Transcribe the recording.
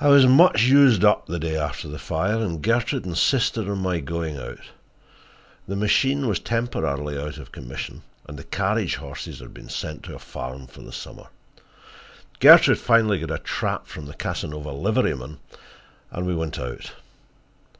I was much used up the day after the fire, and Gertrude insisted on my going out. The machine was temporarily out of commission, and the carriage horses had been sent to a farm for the summer. Gertrude finally got a trap from the Casanova liveryman, and we went out.